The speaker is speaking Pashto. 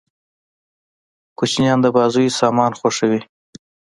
کوچنيان د بازيو سامان خوښيي.